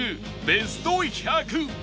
ベスト１００